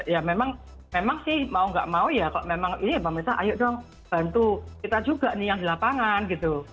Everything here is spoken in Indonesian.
kalau memang ini mbak melisa ayo dong bantu kita juga nih yang di lapangan gitu